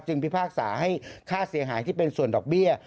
พิพากษาให้ค่าเสียหายที่เป็นส่วนดอกเบี้ย